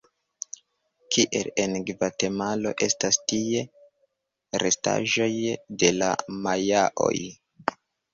Kiel en Gvatemalo estas tie restaĵoj de la Majaoj.